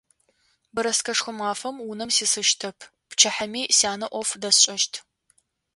Бэрэскэшхо мафэм унэм сисыщтэп, пчыхьэми сянэ ӏоф дэсшӏэщт.